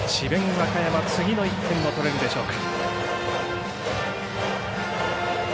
和歌山、次の１点を取れるでしょうか。